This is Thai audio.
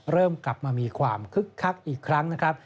เริ่มกลับมามีความคึกคักอีกครั้งนะครับ